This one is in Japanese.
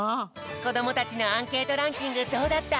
こどもたちのアンケートランキングどうだった？